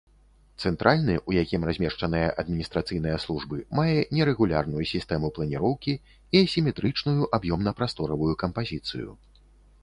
Цэнтральны, у якім размешчаныя адміністрацыйныя службы, мае нерэгулярную сістэму планіроўкі і асіметрычную аб'ёмна-прасторавую кампазіцыю.